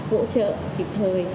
hỗ trợ kịp thời